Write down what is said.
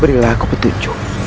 berilah aku petunjuk